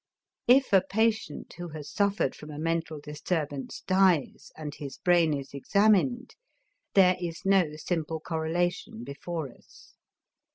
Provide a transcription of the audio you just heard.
If a patient who has suffered from a mental disturbance dies, and his brain is examined, there is no simple correlation before us.